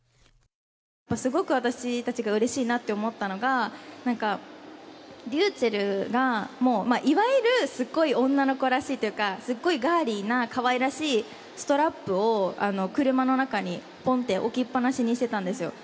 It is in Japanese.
すごく私たちがうれしいなって思ったのが、なんかｒｙｕｃｈｅｌｌが、いわゆるすっごい女の子らしいっていうか、すっごいガーリーな、かわいらしいストラップを車の中に、ぽんって置きっ放しにしてたんですよ。